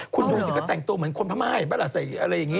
คุณดูสิก็แต่งตัวเหมือนคนพม่ายป่ะล่ะใส่อะไรอย่างนี้